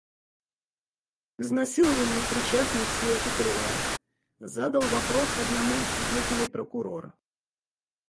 «К изнасилованию причастны все эти трое?» — задал вопрос одному из свидетелей прокурор.